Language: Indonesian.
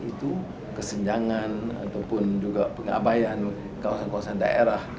itu kesenjangan ataupun juga pengabayan kawasan kawasan daerah